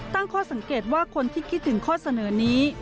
ตั้งข้อสังเกตว่าคนที่คิดถึงข้อเสนอนี้